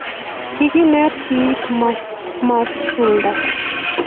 kikinet ip ko masulda